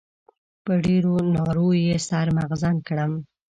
په ډېرو نارو يې سر مغزن کړم.